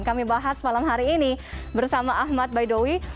kami bahas malam hari ini bersama ahmad baidowi